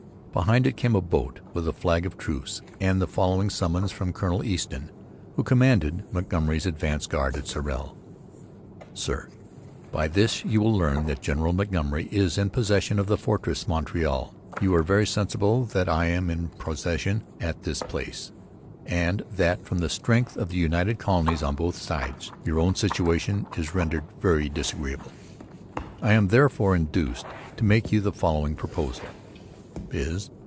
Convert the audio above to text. Behind it came a boat with a flag of truce and the following summons from Colonel Easton, who commanded Montgomery's advance guard at Sorel: SIR, By this you will learn that General Montgomery is in Possession of the Fortress Montreal. You are very sensible that I am in Possession at this Place, and that, from the strength of the United Colonies on both sides your own situation is Rendered Very disagreeable. I am therefore induced to make you the following Proposal, viz.